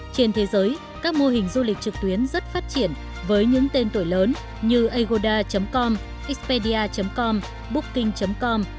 trên thế giới các mô hình du lịch trực tuyến rất phát triển với những tên tuổi lớn như agoda com xpedia com booking com